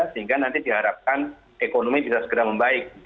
sehingga nanti diharapkan ekonomi bisa segera membaik